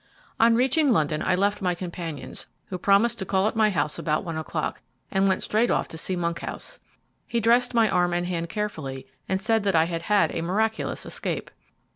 On reaching London I left my companions, who promised to call at my house about one o'clock, and went straight off to see Monkhouse. He dressed my arm and hand carefully, and said that I had had a miraculous escape.